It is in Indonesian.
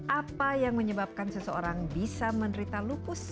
apa yang menyebabkan seseorang bisa menderita lupus